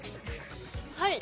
はい。